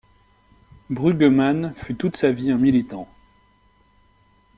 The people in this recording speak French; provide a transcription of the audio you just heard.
Bruggeman fut toute sa vie un militant.